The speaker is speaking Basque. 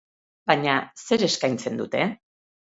Baina zer eskaintzen dute?